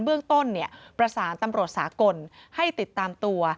เบื้องต้นประสานตำรวจสากลให้ติดตามตัว